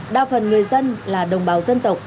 đa phần người dân là đồng bào dân tộc